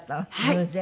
偶然？